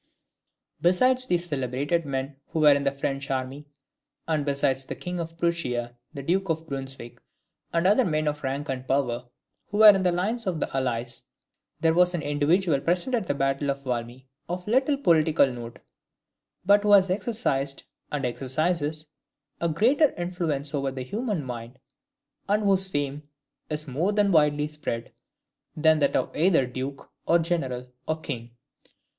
Besides these celebrated men, who were in the French army, and besides the King of Prussia, the Duke of Brunswick, and other men of rank and power, who were in the lines of the Allies, there was an individual present at the battle of Valmy, of little political note, but who has exercised, and exercises, a greater influence over the human mind, and whose fame is more widely spread, than that of either duke, or general, or king.